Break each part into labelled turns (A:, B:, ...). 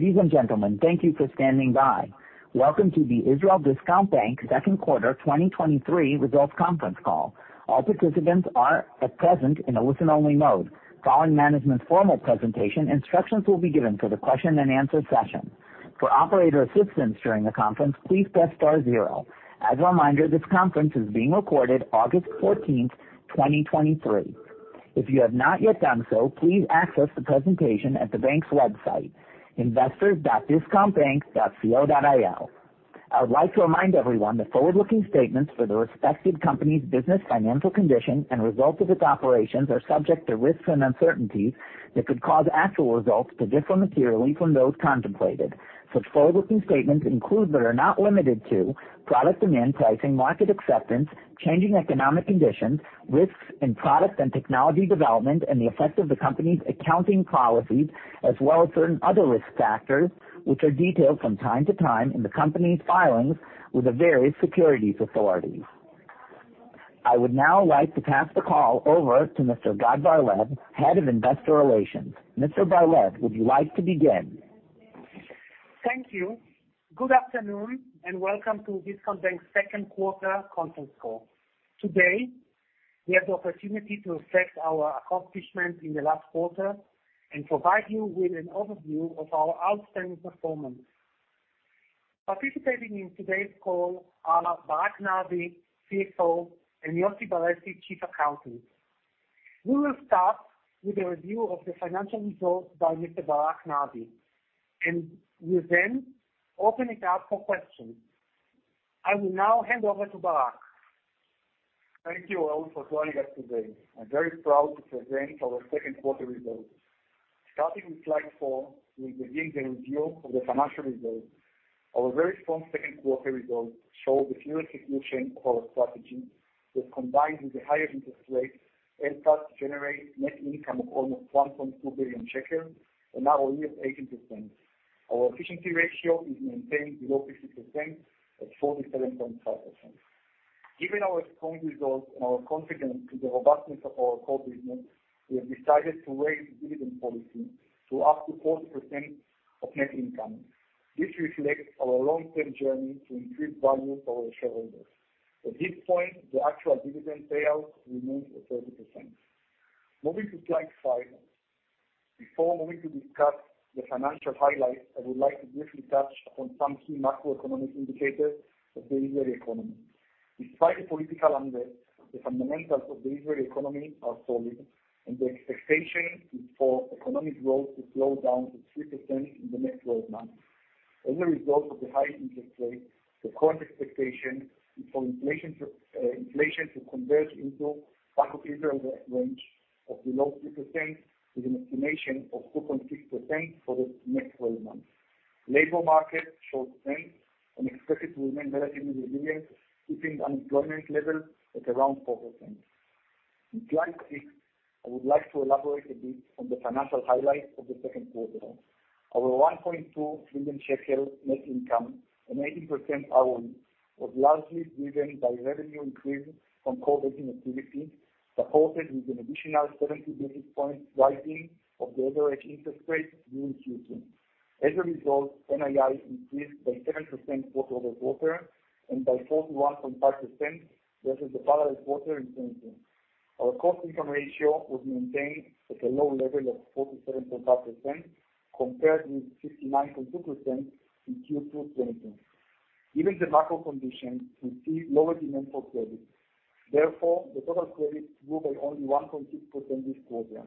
A: Ladies and gentlemen, thank you for standing by. Welcome to the Israel Discount Bank second quarter 2023 results conference call. All participants are at present in a listen-only mode. Following management's formal presentation, instructions will be given for the question and answer session. For operator assistance during the conference, please press star zero. As a reminder, this conference is being recorded August 14th, 2023. If you have not yet done so, please access the presentation at the bank's website, investors.discountbank.co.il. I would like to remind everyone that forward-looking statements for the respective company's business, financial condition, and results of its operations are subject to risks and uncertainties that could cause actual results to differ materially from those contemplated. Such forward-looking statements include, but are not limited to, product demand, pricing, market acceptance, changing economic conditions, risks in product and technology development, and the effect of the company's accounting policies, as well as certain other risk factors, which are detailed from time to time in the company's filings with the various securities authorities. I would now like to pass the call over to Mr. Gad Barlev, Head of Investor Relations. Mr. Barlev, would you like to begin?
B: Thank you. Good afternoon, welcome to Discount Bank's second quarter conference call. Today, we have the opportunity to assess our accomplishment in the last quarter and provide you with an overview of our outstanding performance. Participating in today's call are Barak Nardi, CFO, Yossi Beressi, Chief Accountant. We will start with a review of the financial results by Mr. Barak Nardi, We'll then open it up for questions. I will now hand over to Barak.
C: Thank you all for joining us today. I'm very proud to present our second quarter results. Starting with slide 4, we begin the review of the financial results. Our very strong second quarter results show the clear execution of our strategy, which combined with the higher interest rates, helped us generate net income of almost 1.2 billion shekels and ROE at 18%. Our efficiency ratio is maintained below 50% at 47.5%. Given our strong results and our confidence in the robustness of our core business, we have decided to raise the dividend policy to up to 40% of net income. This reflects our long-term journey to increase value for our shareholders. At this point, the actual dividend payout remains at 30%. Moving to slide 5. Before moving to discuss the financial highlights, I would like to briefly touch upon some key macroeconomic indicators of the Israeli economy. Despite the political unrest, the fundamentals of the Israeli economy are solid, and the expectation is for economic growth to slow down to 3% in the next 12 months. As a result of the high interest rates, the current expectation is for inflation to, inflation to converge into Bank of Israel range of below 3%, with an estimation of 2.6% for the next 12 months. Labor market shows strength and expected to remain relatively resilient, keeping unemployment level at around 4%. In slide six, I would like to elaborate a bit on the financial highlights of the second quarter. Our 1.2 billion shekel net income and 18% ROE, was largely driven by revenue increase from core banking activity, supported with an additional 70 basis points rising of the average interest rate during Q2. As a result, NII increased by 7% quarter-over-quarter, and by 41.5% versus the parallel quarter in 2022. Our cost-income ratio was maintained at a low level of 47.5%, compared with 69.2% in Q2 2022. Given the macro conditions, we see lower demand for credit, therefore, the total credit grew by only 1.6% this quarter.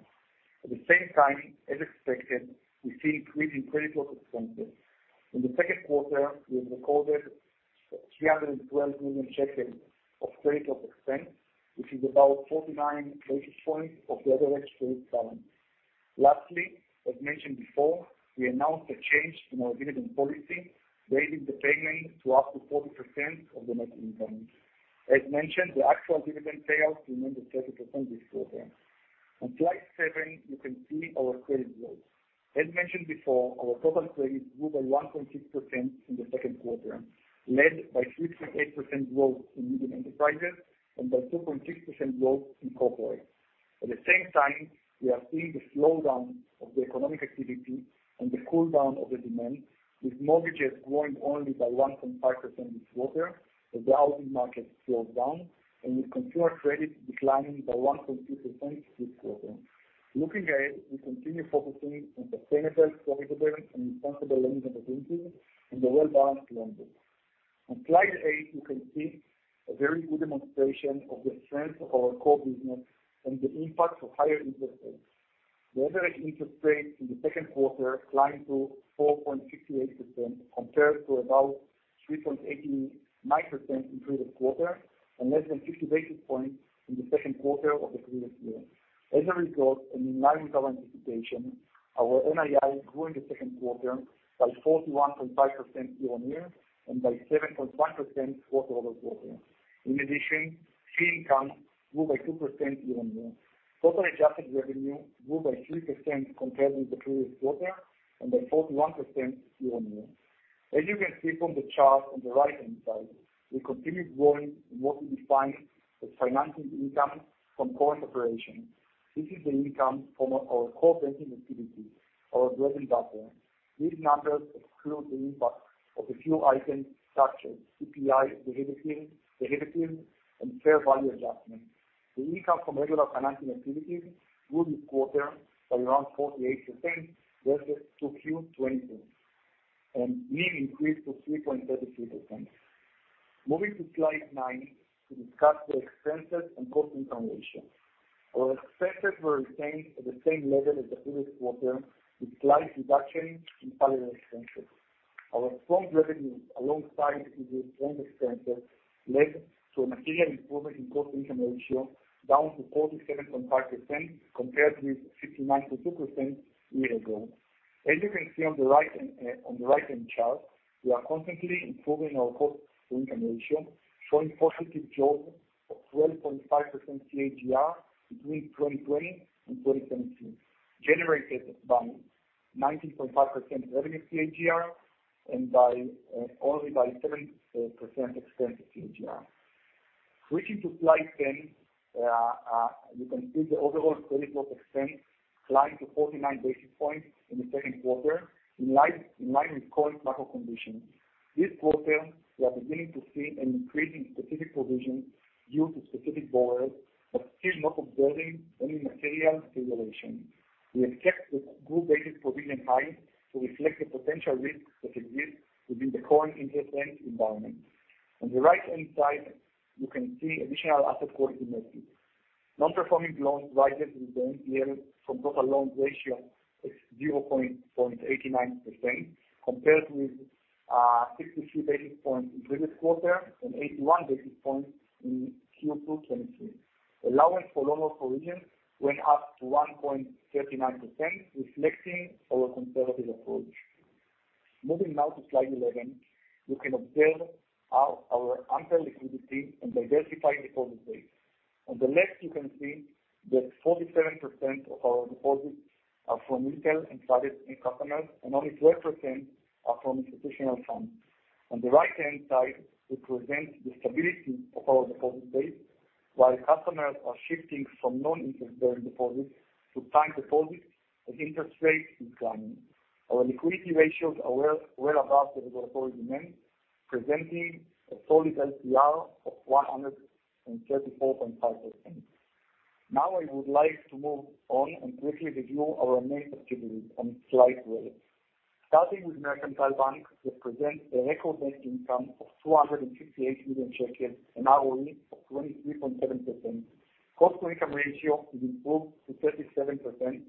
C: At the same time, as expected, we see increase in credit loss expenses. In the second quarter, we have recorded 312 million shekels of credit loss expense, which is about 49 basis points of the average credit balance. Lastly, as mentioned before, we announced a change in our dividend policy, raising the payment to up to 40% of the net income. As mentioned, the actual dividend payout remained at 30% this quarter. On slide 7, you can see our credit growth. As mentioned before, our total credit grew by 1.6% in the second quarter, led by 3.8% growth in medium enterprises and by 2.6% growth in corporate. At the same time, we are seeing the slowdown of the economic activity and the cool down of the demand, with mortgages growing only by 1.5% this quarter, as the housing market slows down and with consumer credit declining by 1.2% this quarter. Looking ahead, we continue focusing on sustainable, profitable, and responsible lending activities and a well-balanced loan book. On slide eight, you can see a very good demonstration of the strength of our core business and the impact of higher interest rates. The average interest rate in the second quarter climbed to 4.68%, compared to about 3.89% in previous quarter, and less than 50 basis points in the second quarter of the previous year. As a result, and in line with our anticipation, our NII grew in the second quarter by 41.5% year-on-year, and by 7.1% quarter-over-quarter. In addition, fee income grew by 2% year-on-year. Total adjusted revenue grew by 3% compared with the previous quarter and by 41% year-on-year. As you can see from the chart on the right-hand side, we continue growing in what we define as financing income from core operations. This is the income from our core banking activity, our bread and butter. These numbers exclude the impact of a few items, such as CPI, derivatives, and fair value adjustment. The income from regular financing activities grew this quarter by around 48% versus to Q2 2022, and NIM increased to 3.33%. Moving to slide 9, to discuss the expenses and cost-income ratio. Our expenses were retained at the same level as the previous quarter, with slight reduction in salary expenses. Our strong revenue, alongside with the strong expenses, led to a material improvement in cost-income ratio, down to 47.5%, compared with 59.2% year ago. As you can see on the right, on the right-hand chart, we are constantly improving our cost-income ratio, showing positive job of 12.5% CAGR between 2020 and 2022, generated by 19.5% revenue CAGR and by only by 7% expense CAGR. Switching to slide 10, you can see the overall credit loss expense climbed to 49 basis points in the second quarter, in line with current macro conditions. This quarter, we are beginning to see an increase in specific provision due to specific borrowers, but still not observing any material acceleration. We expect the group-based provision high to reflect the potential risks that exist within the current interest rate environment. On the right-hand side, you can see additional asset quality measures. Non-performing loans rises in the NPL from total loans ratio is 0.89%, compared with 63 basis points in previous quarter and 81 basis points in Q2 2022. Allowance for loan losses went up to 1.39%, reflecting our conservative approach. Moving now to slide 11, you can observe our, our ample liquidity and diversified deposit base. On the left, you can see that 47% of our deposits are from retail and private customers, and only 12% are from institutional funds. On the right-hand side, it presents the stability of our deposit base, while customers are shifting from non-interest bearing deposits to time deposits and interest rates is climbing. Our liquidity ratios are well, well above the regulatory demand, presenting a solid LCR of 134.5%. I would like to move on and briefly review our main activities on slide 12. Starting with Mercantile Discount Bank, which presents a record net income of 258 million shekels, and ROE of 23.7%. Cost-to-income ratio is improved to 37%.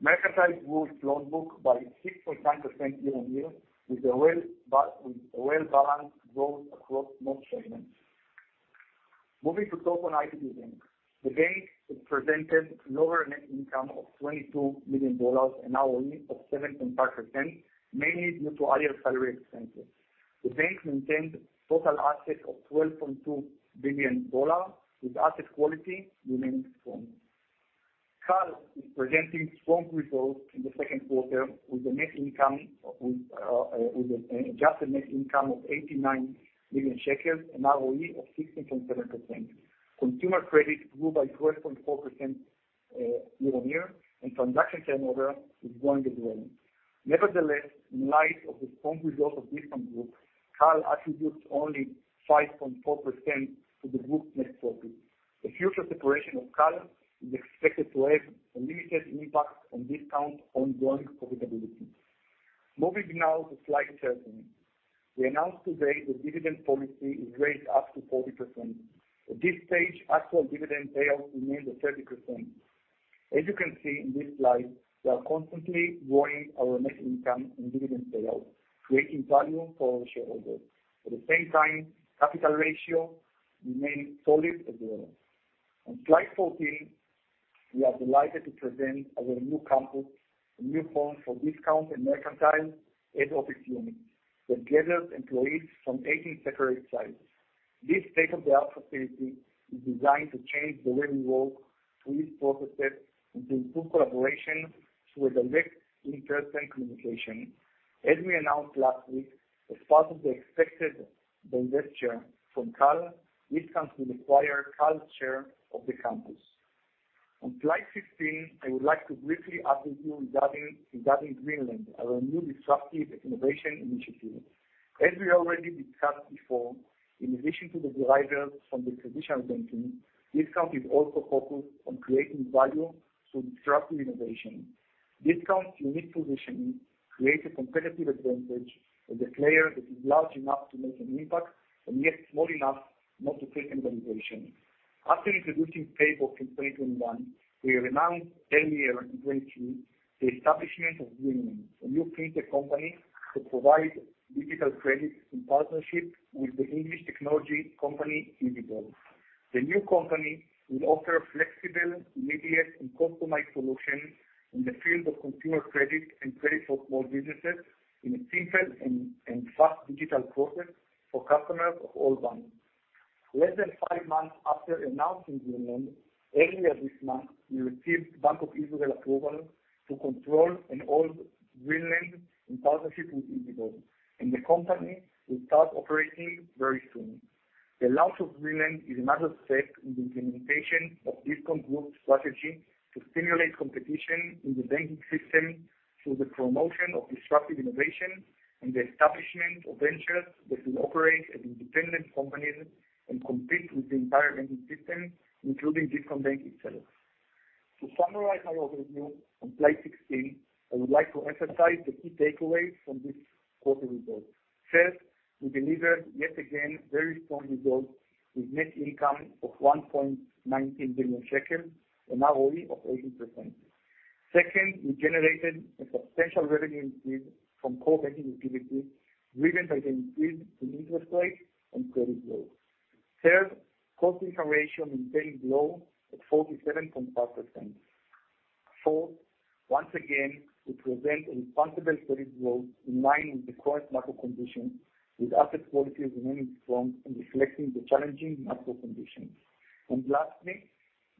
C: Mercantile grew its loan book by 6.9% year-on-year, with a well-balanced growth across most segments. Moving to IDB Bank. The bank presented lower net income of $22 million, and ROE of 7.5%, mainly due to higher salary expenses. The bank maintained total assets of $12.2 billion, with asset quality remaining strong. CAL is presenting strong results in the second quarter, with a net income of, with an adjusted net income of 89 million shekels, and ROE of 16.7%. Consumer credit grew by 12.4% year-on-year, and transaction turnover is going well. Nevertheless, in light of the strong results of Discount Group, CAL attributes only 5.4% to the group's net profit. The future separation of CAL is expected to have a limited impact on Discount ongoing profitability. Moving now to slide 13. We announced today the dividend policy is raised up to 40%. At this stage, actual dividend payout remains at 30%. As you can see in this slide, we are constantly growing our net income and dividend payout, creating value for our shareholders. At the same time, capital ratio remains solid as well. On slide 14, we are delighted to present our new campus, a new home for Discount and Mercantile head office units, that gathers employees from 18 separate sites. This state-of-the-art facility is designed to change the way we work, through these processes, and to improve collaboration through a direct, interesting communication. As we announced last week, as part of the expected divestiture from CAL, Discount will acquire CAL's share of the campus. On slide 15, I would like to briefly update you regarding Greenlend, our new disruptive innovation initiative. As we already discussed before, in addition to the drivers from the traditional banking, Discount is also focused on creating value through disruptive innovation. Discount's unique positioning creates a competitive advantage as a player that is large enough to make an impact, and yet small enough not to take any regulation. After introducing PayBox in 2021, we announced earlier in 2022, the establishment of Greenlend, a new fintech company that provides digital credit in partnership with the English technology company, ezbob. The new company will offer flexible, immediate, and customized solutions in the field of consumer credit and credit for small businesses in a simple and fast digital process for customers of all banks. Less than five months after announcing Greenlend, earlier this month, we received Bank of Israel approval to control and own Greenlend in partnership with ezbob, the company will start operating very soon. The launch of Greenlend is another step in the implementation of Discount Group's strategy to stimulate competition in the banking system through the promotion of disruptive innovation and the establishment of ventures that will operate as independent companies and compete with the entire banking system, including Discount Bank itself. To summarize our overview on slide 16, I would like to emphasize the key takeaways from this quarter results. First, we delivered, yet again, very strong results with net income of 1.19 billion shekels, an ROE of 80%. Second, we generated a substantial revenue increase from core banking activities, driven by the increase in interest rates and credit growth. Third, cost-income ratio remained low at 47.5%. Fourth, once again, we present a responsible credit growth in line with the current market condition, with asset quality remaining strong and reflecting the challenging macro conditions. Lastly,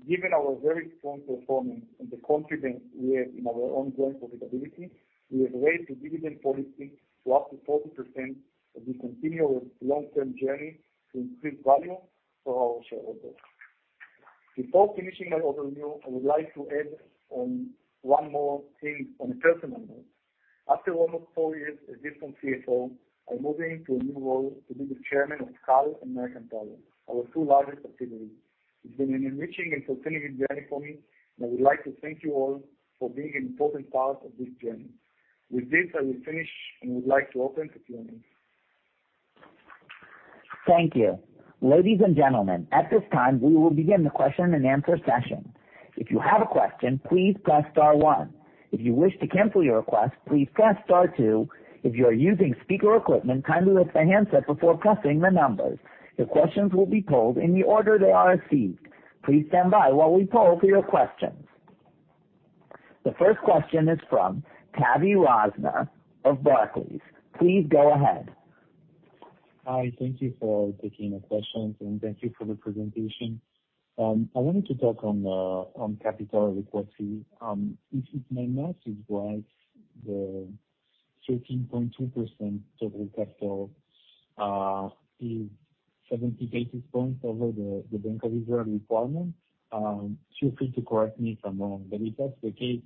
C: given our very strong performance and the confidence we have in our ongoing profitability, we have raised the dividend policy to up to 40% as we continue our long-term journey to increase value for our shareholders. Before finishing my overview, I would like to add on one more thing on a personal note. After almost four years as Discount CFO, I'm moving to a new role to be the chairman of CAL and Mercantile, our two largest activities. It's been an enriching and fulfilling journey for me, and I would like to thank you all for being an important part of this journey. With this, I will finish, and would like to open to Q&A.
A: Thank you. Ladies and gentlemen, at this time, we will begin the question and answer session. If you have a question, please press star one. If you wish to cancel your request, please press star two. If you are using speaker equipment, kindly lift the handset before pressing the numbers. Your questions will be polled in the order they are received. Please stand by while we poll for your questions. The first question is from Tavy Rosner of Barclays. Please go ahead.
D: Hi, thank you for taking my questions, and thank you for the presentation. I wanted to talk on on capital adequacy. If, if my math is right, the 13.2% total capital is 70 basis points over the Bank of Israel requirement. Feel free to correct me if I'm wrong, but if that's the case,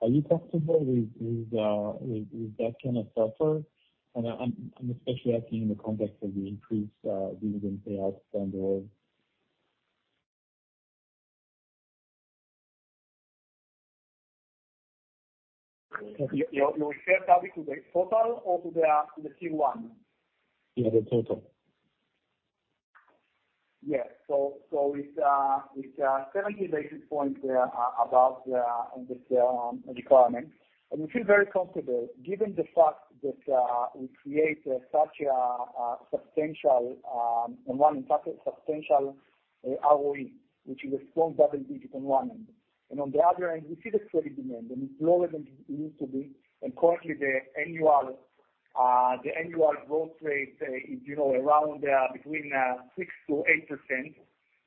D: are you comfortable with, with, with, with that kind of buffer? I, I'm, I'm especially asking in the context of the increased dividend payouts down the road.
C: You refer, Tavy, to the total or to the Q1?
D: Yeah, the total.
C: Yes. So, so it's, it's 70 basis points above the requirement. We feel very comfortable given the fact that we create such a, a substantial, and one substantial ROE, which is a strong double digit on one end. On the other end, we see the credit demand, and it's lower than it used to be, and currently, the annual, the annual growth rate is, you know, around, between 6%-8%.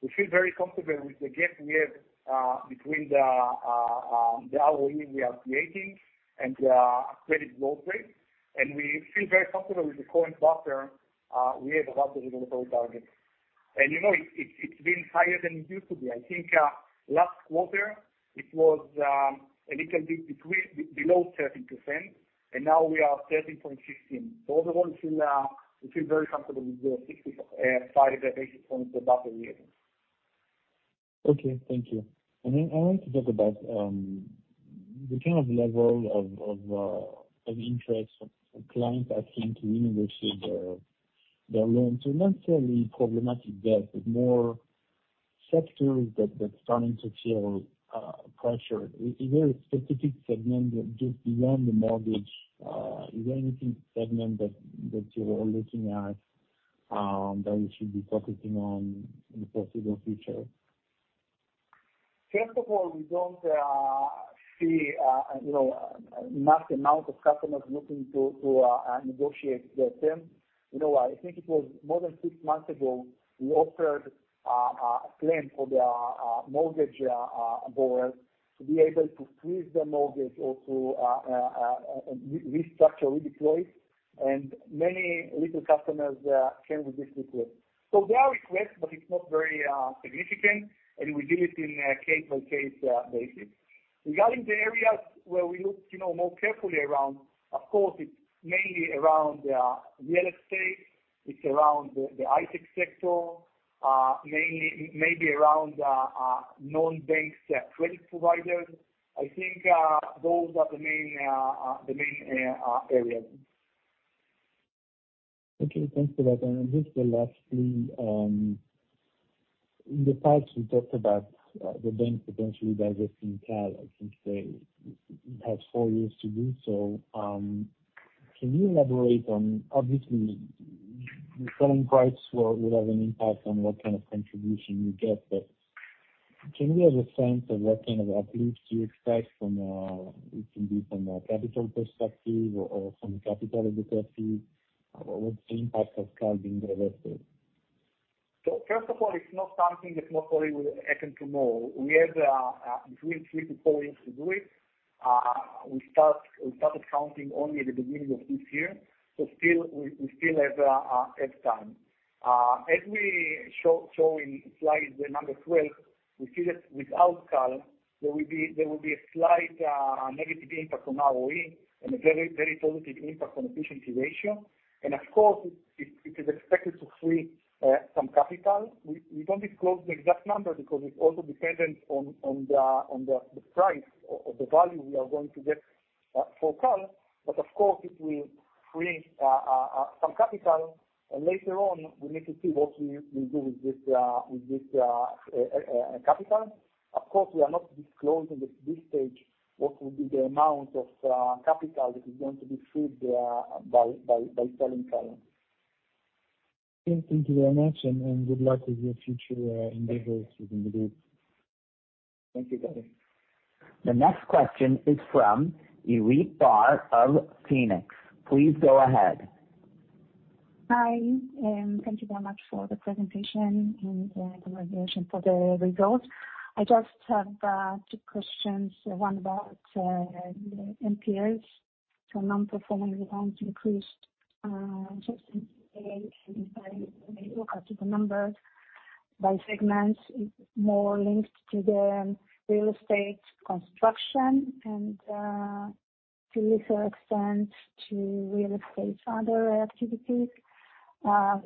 C: We feel very comfortable with the gap we have, between the the ROE we are creating and the credit growth rate. We feel very comfortable with the current buffer we have about the regulatory target. You know, it's, it's, it's been higher than it used to be. I think, last quarter it was a little bit below 13%, and now we are 13.16%. Overall, we feel very comfortable with the 60, sorry, the basis points above the requirement.
D: Okay, thank you. Then I want to talk about the kind of level of, of, of interest from, from clients asking to renegotiate their, their loans. Not necessarily problematic debt, but more sectors that, that's starting to feel pressure. Is there a specific segment that just beyond the mortgage, is there anything segment that, that you are looking at, that you should be focusing on in the foreseeable future?
C: First of all, we don't see, you know, mass amount of customers looking to, to negotiate their terms. You know, I think it was more than 6 months ago, we offered a plan for the mortgage borrowers to be able to freeze the mortgage or to restructure, redeploy, and many, little customers came with this request. There are requests, but it's not very significant, and we do it in a case-by-case basis. Regarding the areas where we look, you know, more carefully around, of course, it's mainly around real estate, it's around the hi-tech sector, mainly, maybe around non-bank credit providers. I think those are the main, the main areas.
D: Okay, thanks for that. Just lastly, in the past, you talked about the bank potentially divesting CAL. I think they have four years to do so. Can you elaborate on, obviously, the selling price will, will have an impact on what kind of contribution you get. Can we have a sense of what kind of updates you expect from, it can be from a capital perspective or, or from capital advocacy? What's the impact of CAL being divested?
C: First of all, it's not something that's not going to happen tomorrow. We have between 3-4 years to do it. We started counting only at the beginning of this year, so still, we still have time. As we show in slide, number 12, we see that without CAL, there will be a slight negative impact on our ROE and a very, very positive impact on efficiency ratio. Of course, it is expected to free some capital. We won't disclose the exact number because it's also dependent on the price or the value we are going to get for CAL. Of course, it will free some capital, and later on, we need to see what we will do with this, with this capital. Of course, we are not disclosing at this stage, what will be the amount of capital that is going to be freed by selling CAL.
D: Okay, thank you very much, and, and good luck with your future endeavors within the group.
C: Thank you, Tavy.
A: The next question is from Iris Barr of Phoenix. Please go ahead.
E: Hi, thank you very much for the presentation and congratulations for the results. I just have two questions, one about NPLs, so non-performing loans increased, just by, if I look at the numbers by segments, more linked to the real estate construction and to a lesser extent, to real estate, other activities.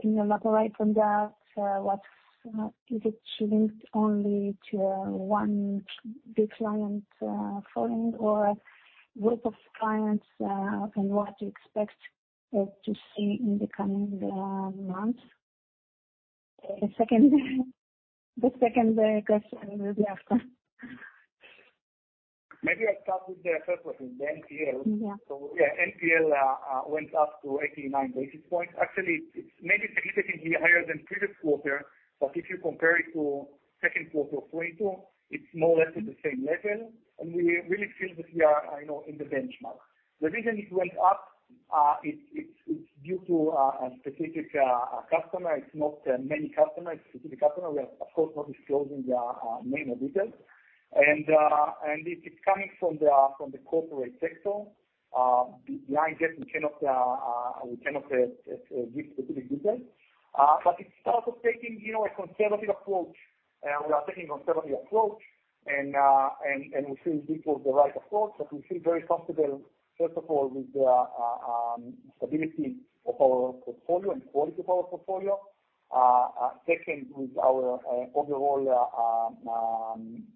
E: In the right from that, what's, is it linked only to one big client falling or group of clients, and what you expect to see in the coming months? The second, the second question will be after.
C: Maybe I'll start with the first one, the NPL.
E: Yeah.
C: Yeah, NPL went up to 89 basis points. Actually, it's maybe significantly higher than previous quarter, but if you compare it to second quarter of 2022, it's more or less at the same level, and we really feel that we are, you know, in the benchmark. The reason it went up, it's, it's, it's due to a specific customer. It's not many customers, it's specific customer. We are, of course, not disclosing their name or details. And it's coming from the from the corporate sector. Behind this, we cannot, we cannot give specific details. But it's part of taking, you know, a conservative approach, and we are taking conservative approach, and, and we think this was the right approach. We feel very comfortable, first of all, with the stability of our portfolio and quality of our portfolio. Second, with our overall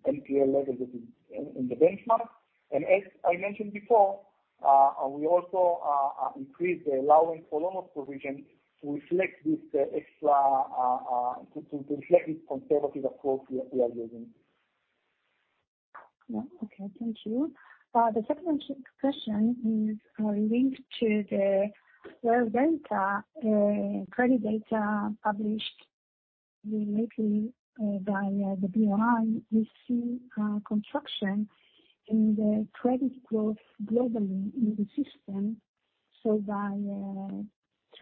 C: NPL level that is in the benchmark. As I mentioned before, we also increased the allowance for loss provision to reflect this extra to reflect this conservative approach we are using.
E: Yeah. Okay, thank you. The second question is linked to the raw data, credit data published lately by the Bank of Israel. We see construction in the credit growth globally in the system, so by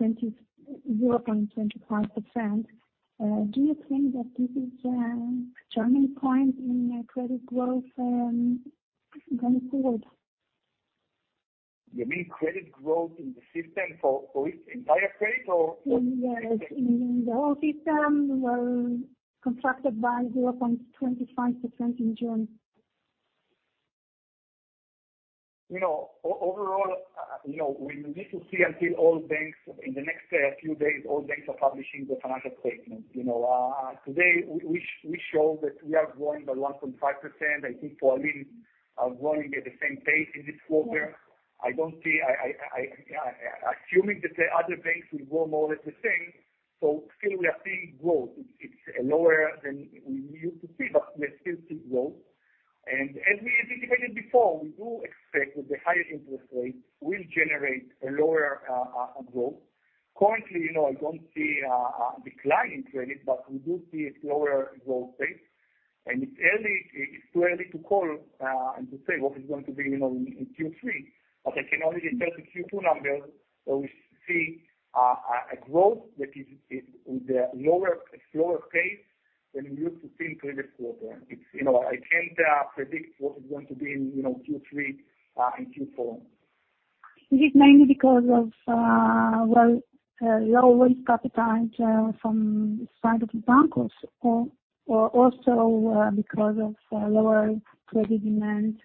E: 0.25%. Do you think that this is turning point in credit growth going forward?
C: You mean credit growth in the system for, for entire credit or what?
E: Yes, in the whole system, were constructed by 0.25% in June.
C: You know, overall, you know, we need to see until all banks in the next few days, all banks are publishing the financial statements. You know, today, we, we, we show that we are growing by 1.5%. I think Hapoalim are growing at the same pace in this quarter. I don't see... I assuming that the other banks will grow more or less the same, still we are seeing growth. It's lower than we used to see, we still see growth. As we indicated before, we do expect that the higher interest rates will generate a lower growth. Currently, you know, I don't see a decline in credit, but we do see a slower growth pace, and it's too early to call, and to say what is going to be, you know, in Q3. But I can only tell the Q2 numbers, where we see a growth that is the lower, slower pace than we used to see in previous quarter. It's, you know, I can't predict what is going to be in, you know, Q3 and Q4.
E: Is it mainly because of, well, you always capitalize from side of the bank, or, or, or also, because of, lower credit demand?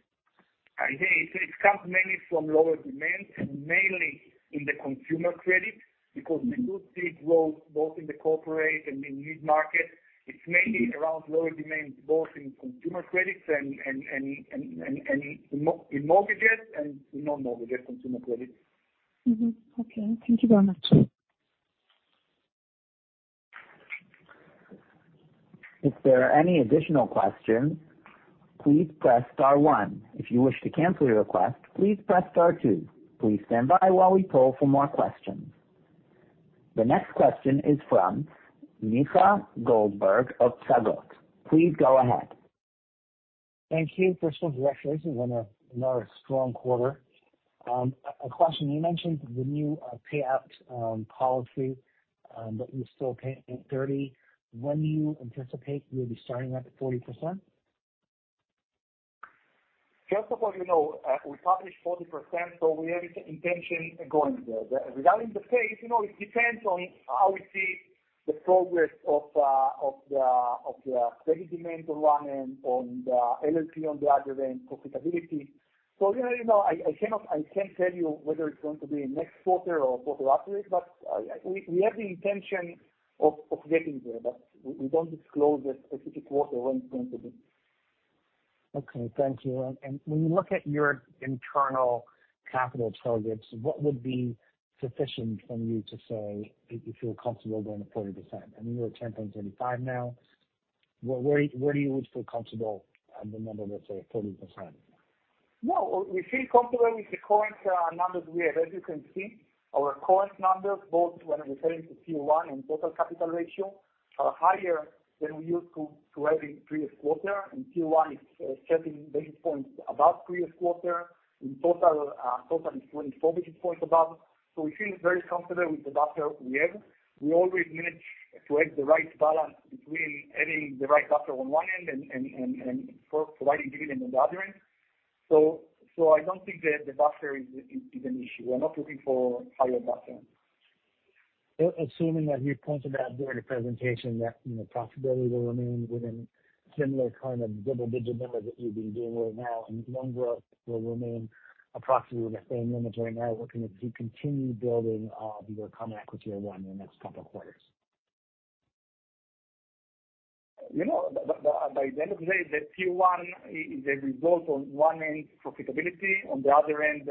C: I think it, it comes mainly from lower demand, mainly in the consumer credit, because we do see growth both in the corporate and in mid-market. It's mainly around lower demand, both in consumer credits and in mortgages and non-mortgage consumer credit.
E: Mm-hmm. Okay, thank you very much.
A: If there are any additional questions, please press star one. If you wish to cancel your request, please press star two. Please stand by while we poll for more questions... The next question is from Micha Goldberg of Psagot. Please go ahead.
F: Thank you. First of all, congratulations on another strong quarter. A question, you mentioned the new payout policy that you still pay at 30. When do you anticipate you'll be starting at the 40%?
C: First of all, you know, we published 40%, so we have the intention of going there. Regarding the pace, you know, it depends on how we see the progress of the, of the credit demand on one end, on the LCR on the other end, profitability. You know, I, I cannot, I can't tell you whether it's going to be next quarter or quarter after it, but we, we have the intention of, of getting there, but we, we don't disclose the specific quarter when it's going to be.
F: Okay, thank you. When you look at your internal capital targets, what would be sufficient for you to say that you feel comfortable going to 40%? I mean, you're at 10.35% now. Where, where, where do you feel comfortable at the number, let's say, 40%?
C: No, we feel comfortable with the current numbers we have. As you can see, our current numbers, both when referring to Q1 and total capital ratio, are higher than we used to, to have in previous quarter. In Q1, it's 30 basis points above previous quarter. In total, total is 24 basis points above. We feel very comfortable with the buffer we have. We always manage to have the right balance between adding the right buffer on one end and for providing dividend on the other end. I don't think that the buffer is, is, is an issue. We're not looking for higher buffer.
F: Assuming that you pointed out during the presentation that, you know, profitability will remain within similar kind of double-digit numbers that you've been doing right now, and loan growth will remain approximately the same numbers right now, we're gonna see continued building of your common equity in one in the next couple of quarters.
C: You know, by the end of the day, the Q1 is a result on one end, profitability. On the other end,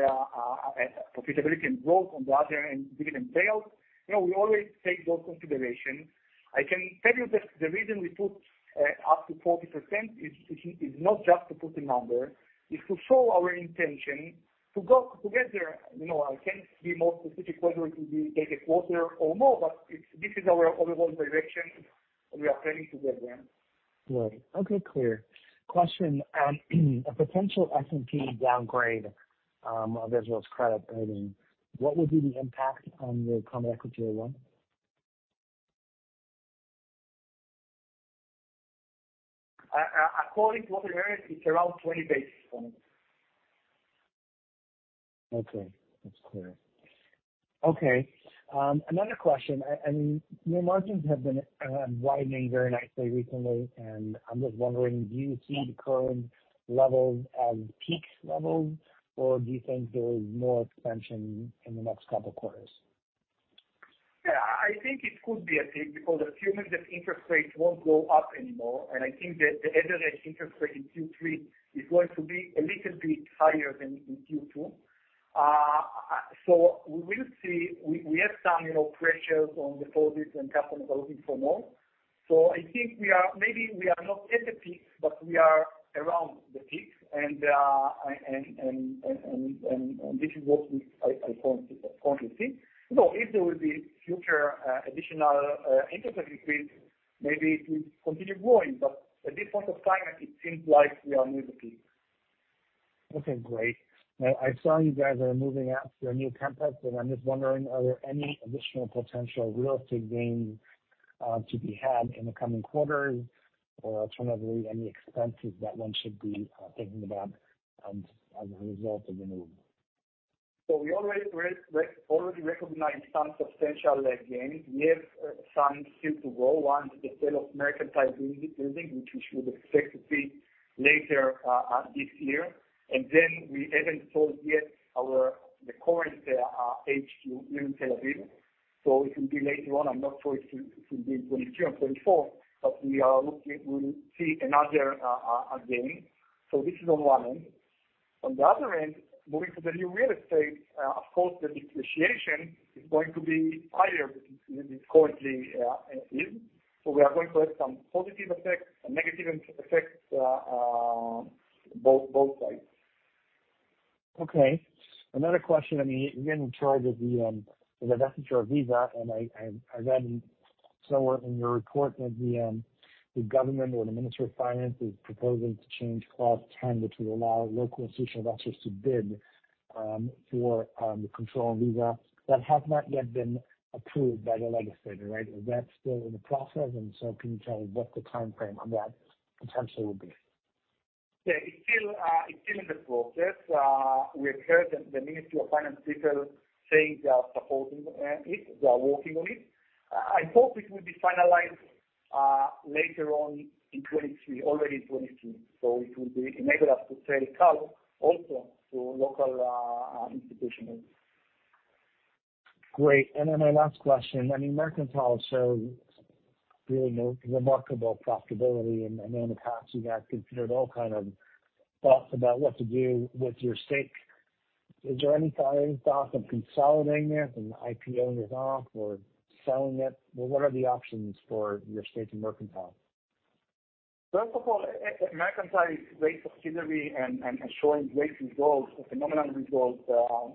C: profitability and growth, on the other end, dividend payouts. You know, we always take those considerations. I can tell you that the reason we put up to 40% is not just to put a number, it's to show our intention to go together. You know, I can't be more specific whether it will be next quarter or more, but this is our overall direction, and we are planning to get there.
F: Right. Okay, clear. Question, a potential S&P downgrade, of Israel's credit rating, what would be the impact on your common equity, Q1?
C: According to what we heard, it's around 20 basis points.
F: Okay. That's clear. Okay, another question. Your margins have been widening very nicely recently, and I'm just wondering, do you see the current levels as peak levels, or do you think there is more expansion in the next couple quarters?
C: Yeah, I think it could be a peak because assuming that interest rates won't go up anymore, and I think that the average interest rate in Q3 is going to be a little bit higher than in Q2. We will see. We, we have some, you know, pressures on deposits and customers are looking for more. I think we are, maybe we are not at the peak, but we are around the peak, and, and, and, and this is what we, I, I currently, currently see. You know, if there will be future, additional, interest rate increase, maybe it will continue growing, but at this point of time, it seems like we are near the peak.
F: Okay, great. I saw you guys are moving out to a new campus, and I'm just wondering, are there any additional potential real estate gains to be had in the coming quarters, or alternatively, any expenses that one should be thinking about as a result of the move?
C: We already already recognized some substantial gains. We have some still to go. One, the sale of Mercantile building, which we should expect to see later this year. Then we haven't sold yet our, the current, HQ in Tel Aviv, so it will be later on. I'm not sure if it will be in 2023 or 2024, but we are looking, we'll see another gain. This is on one end. On the other end, moving to the new real estate, of course, the depreciation is going to be higher than it currently is. We are going to have some positive effects and negative effects, both, both sides.
F: Okay. Another question, I mean, you're in charge of the investor of Visa, and I, I, I read somewhere in your report that the government or the Ministry of Finance is proposing to change Clause 10, which will allow local institutional investors to bid for the control on Visa. That has not yet been approved by the legislator, right? Is that still in the process? Can you tell me what the timeframe on that potentially would be?
C: Yeah, it's still, it's still in the process. We heard the, the Ministry of Finance people saying they are supporting, it, they are working on it. I hope it will be finalized, later on in 2023, already in 2023. It will be enable us to sell CAL also to local, institutional.
F: Great. Then my last question, I mean, Mercantile showed really remarkable profitability and, and in the past, you have considered all kind of thoughts about what to do with your stake. Is there any kind of thought of consolidating it and IPO it off or selling it? Well, what are the options for your stake in Mercantile?
C: First of all, Mercantile is great subsidiary and showing great results, phenomenal results.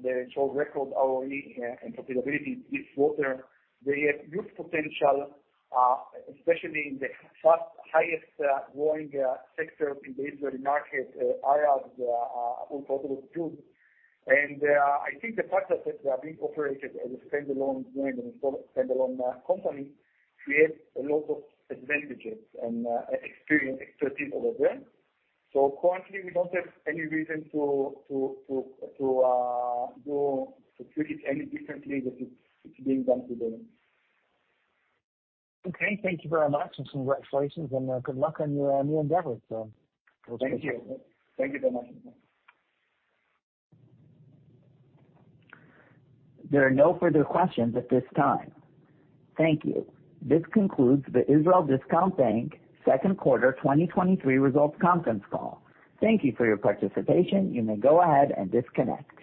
C: They show record ROE and profitability this quarter. They have good potential, especially in the fast, highest, growing sector in the Israeli market, hi-tech sector, on total of June. I think the fact that they are being operated as a standalone unit and standalone company creates a lot of advantages and experience, expertise over there. Currently, we don't have any reason to go, to treat it any differently than it's being done today.
F: Okay, thank you very much, and congratulations, and good luck on your new endeavors.
C: Thank you. Thank you very much.
A: There are no further questions at this time. Thank you. This concludes the Israel Discount Bank second quarter 2023 results conference call. Thank you for your participation. You may go ahead and disconnect.